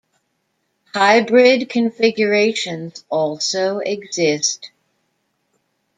Hybrid configurations also exist.